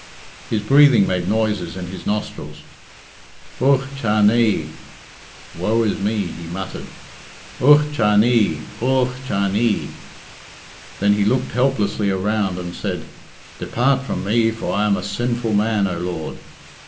His breathing made noises in his nostrils. "Ugh cha nee!" (woe is me), he muttered. "Ugh cha nee! Ugh cha nee!" Then he looked helplessly around and said, "Depart from me, for I am a sinful man, O Lord."